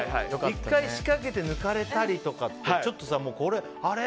１回仕掛けて抜かれたりとかってちょっとあれ？